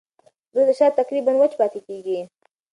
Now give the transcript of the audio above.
وروسته شات تقریباً وچ پاتې کېږي.